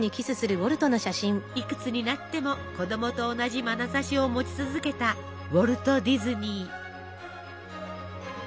いくつになっても子供と同じまなざしを持ち続けたウォルト・ディズニー。